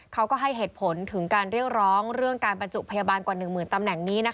เขาก็ให้เหตุผลถึงการเรียกร้องเรื่องการบรรจุพยาบาลกว่า๑หมื่นตำแหน่งนี้